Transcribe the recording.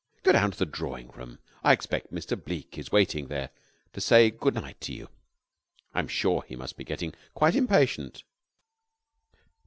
Go down to the drawing room. I expect Mr. Bleke is waiting there to say goodnight to you. I am sure he must be getting quite impatient."